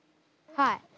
はい。